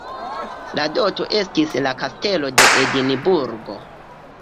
La doto estis la Kastelo de Edinburgo.